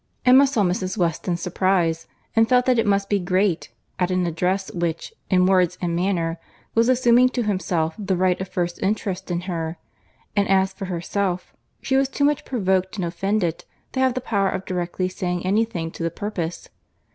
Emma saw Mrs. Weston's surprize, and felt that it must be great, at an address which, in words and manner, was assuming to himself the right of first interest in her; and as for herself, she was too much provoked and offended to have the power of directly saying any thing to the purpose.